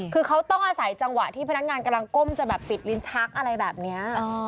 คือเขาต้องอาศัยจังหวะที่พนักงานกำลังก้มจะแบบปิดลิ้นชักอะไรแบบนี้